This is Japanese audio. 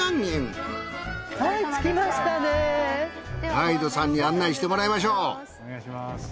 ガイドさんに案内してもらいましょう。